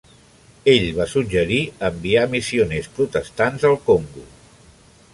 Ell va suggerir enviar missioners protestants al Congo.